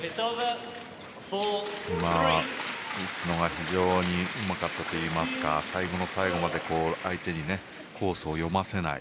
今のは打つのが非常にうまかったといいますか最後の最後まで相手にコースを読ませない